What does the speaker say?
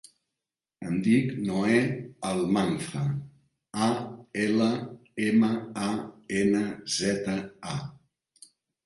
Em dic Noè Almanza: a, ela, ema, a, ena, zeta, a.